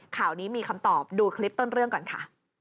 ข่าวนี้มีคำตอบดูคลิปต้นเรื่องก่อนค่ะ